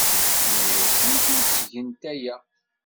Tenna-asent ur ttgent aya.